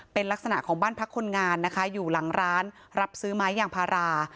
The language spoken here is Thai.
เป็นลักษณะของบ้านพักคนงานนะคะอยู่หลังร้านรับซื้อไม้ยางพารา